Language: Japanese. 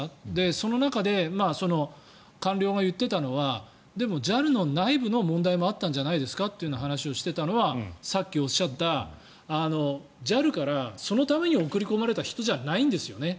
その中で、官僚が言っていたのはでもＪＡＬの内部の問題もあったんじゃないですかという話をしていたのはさっきおっしゃったＪＡＬからそのために送り込まれた人じゃないんですよね。